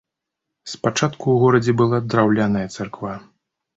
Спачатку ў горадзе была драўляная царква.